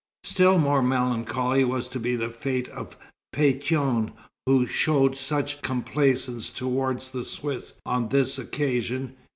Still more melancholy was to be the fate of Pétion, who showed such complaisance toward the Swiss on this occasion.